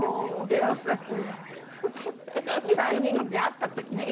でもさ３人で会った時ね